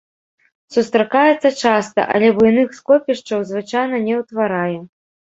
Сустракаецца часта, але буйных скопішчаў звычайна не ўтварае.